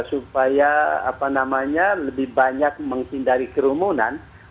supaya apa namanya lebih banyak menghindari kerumunan